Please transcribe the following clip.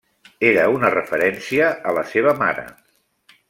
Era una referència a la seva mare.